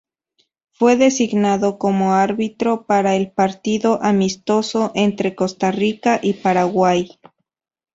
Fue designado como árbitro para el partido amistoso entre Costa Rica y Paraguay.